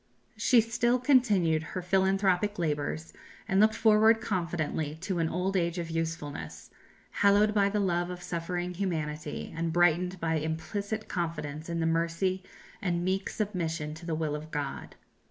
She still continued her philanthropic labours, and looked forward confidently to an old age of usefulness, hallowed by the love of suffering humanity and brightened by implicit confidence in the mercy and meek submission to the will of God.